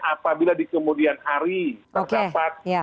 apabila di kemudian hari terdapat